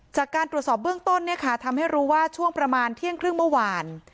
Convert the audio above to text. จากการตรวจสอบเบื้องต้นเนี่ยค่ะทำให้รู้ว่าช่วงประมาณเที่ยงครึ่งเมื่อวาน